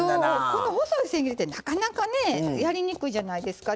この細いせん切りってなかなかねやりにくいじゃないですか。